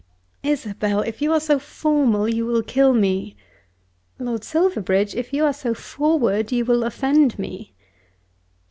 "Isabel, if you are so formal, you will kill me." "Lord Silverbridge, if you are so forward, you will offend me."